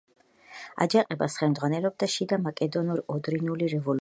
აჯანყებას ხელმძღვანელობდა შიდა მაკედონურ-ოდრინული რევოლუციური ორგანიზაცია.